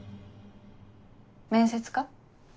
面接か。